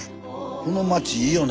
この町いいよね。